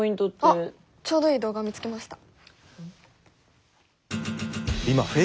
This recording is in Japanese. あっちょうどいい動画を見つけました。